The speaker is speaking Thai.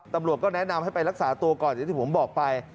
ตำรวจก็แนะนำให้ไปรักษาตัวก่อนอย่างที่ผมบอกไป